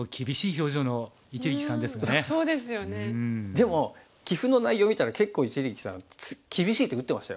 でも棋譜の内容見たら結構一力さん厳しい手打ってましたよ。